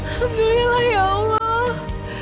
alhamdulillah ya allah